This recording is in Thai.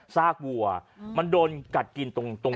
ซากวัวมันโดนกัดกินตรง